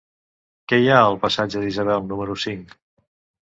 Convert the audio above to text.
Què hi ha al passatge d'Isabel número cinc?